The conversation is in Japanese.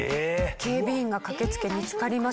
警備員が駆けつけ見つかります。